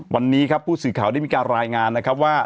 วันนี้ครับผู้สื่อข่าวได้มีการรายงานนะครับว่า